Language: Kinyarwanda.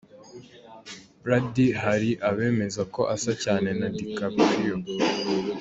Brady hari abemeza ko asa cyane na DiCaprio.